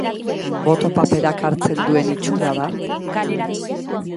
Boto paperak hartzen duen itxura da.